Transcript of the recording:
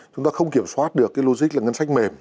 chúng ta không kiểm soát được cái logic là ngân sách mềm